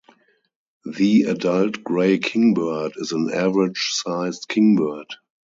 The adult gray kingbird is an average-sized kingbird.